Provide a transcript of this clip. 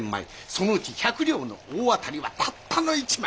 そのうち１００両の大当たりはたったの１枚。